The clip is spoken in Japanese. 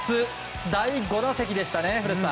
第５打席でしたね